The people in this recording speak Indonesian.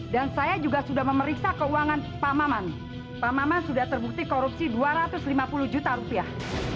saya juga sudah memeriksa keuangan pak maman pak maman sudah terbukti korupsi dua ratus lima puluh juta rupiah